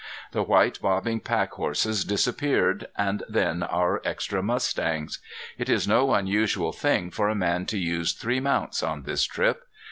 The white bobbing pack horses disappeared and then our extra mustangs. It is no unusual thing for a man to use three mounts on this trip.